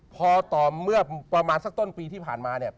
พอต่อเมื่อประมาณสักต้นปีที่ผ่านมาเนี่ย